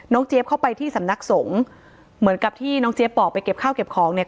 เจี๊ยบเข้าไปที่สำนักสงฆ์เหมือนกับที่น้องเจี๊ยบบอกไปเก็บข้าวเก็บของเนี่ย